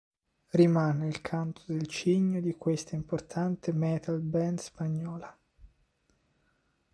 Rimane il canto del cigno di questa importante metal band spagnola.